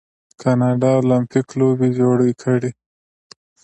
کاناډا المپیک لوبې جوړې کړي.